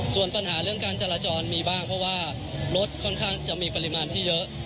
ส่วนปัญหาเรื่องการจราจรมีบ้างเพราะว่ารถค่อนข้างจะมีปริมาณที่เยอะ